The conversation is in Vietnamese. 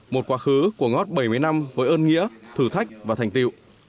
một quá khứ của ngót bảy mươi năm với ơn nghĩa thử thách và thành tiệu